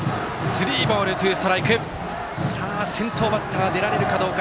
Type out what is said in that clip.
先頭バッター、出られるかどうか。